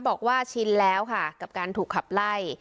บอกว่าชินแล้วค่ะกับการถูกขับไล่